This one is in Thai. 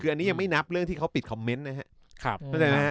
คืออันนี้ยังไม่นับเรื่องที่เขาปิดคอมเมนต์นะครับ